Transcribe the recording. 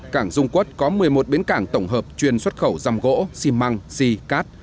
cảng dung quất có một mươi một bến cảng tổng hợp chuyên xuất khẩu răm gỗ xi măng xi cát